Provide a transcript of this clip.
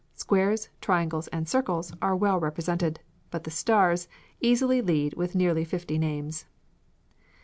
"Squares," "triangles," and "circles" are well represented, but the "Stars" easily lead with nearly fifty names.